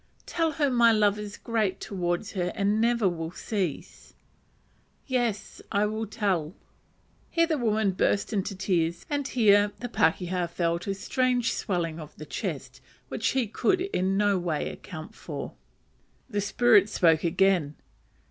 "Tell her my love is great towards her and never will cease." "Yes, I will tell." Here the woman burst into tears, and the pakeha felt a strange swelling of the chest, which he could in no way account for. The spirit spoke again.